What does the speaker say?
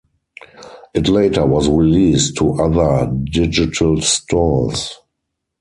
It later was released to other digital stores.